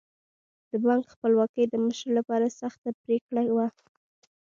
د بانک خپلواکي د مشر لپاره سخته پرېکړه وه.